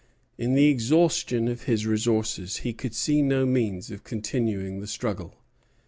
In the exhaustion of his resources he could see no means of continuing the struggle.